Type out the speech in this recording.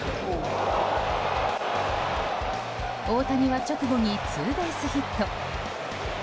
大谷は直後にツーベースヒット。